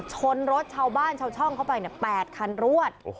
ชนรถชาวบ้านชาวช่องเข้าไป๘คันรวด